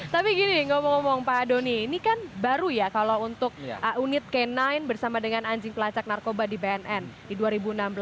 tapi gini ngomong ngomong pak doni ini kan baru ya kalau untuk unit k sembilan bersama dengan anjing pelacak narkoba di bnn di dua ribu enam belas